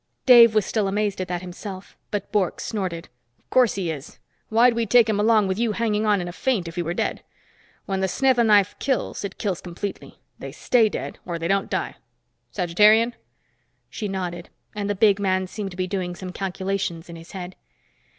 Dave was still amazed at that himself. But Bork snorted. "Of course he is. Why'd we take him along with you hanging on in a faint if he were dead? When the snetha knife kills, it kills completely. They stay dead, or they don't die. Sagittarian?" She nodded, and the big man seemed to be doing some calculations in his head.